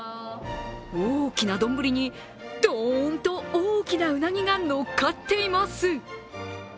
大きな丼に、ドーンと大きなうなぎがのっかっています。